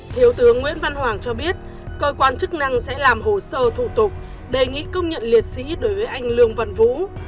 thiếu tướng nguyễn văn hoàng cho biết cơ quan chức năng sẽ làm hồ sơ thủ tục đề nghị công nhận liệt sĩ đối với anh lương văn vũ